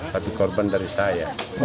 tapi korban dari saya